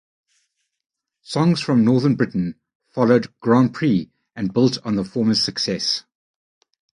"Songs from Northern Britain" followed "Grand Prix" and built on the former's success.